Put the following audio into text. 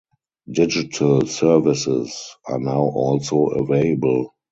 Digital services are now also available.